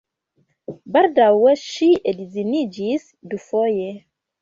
Baldaŭe ŝi edziniĝis dufoje.